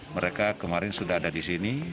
mereka kemarin sudah ada di sini